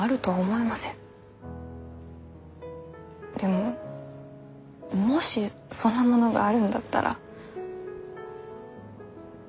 でももしそんなものがあるんだったら見つけましょう。